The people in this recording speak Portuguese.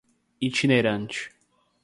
itinerante